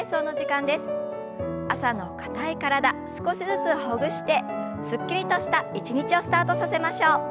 朝の硬い体少しずつほぐしてすっきりとした一日をスタートさせましょう。